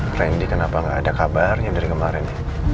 keren nih kenapa nggak ada kabarnya dari kemarin